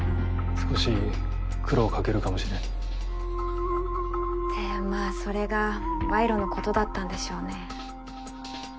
少し苦労かけるかもしれんってまあそれが賄賂のことだったんでしょうね。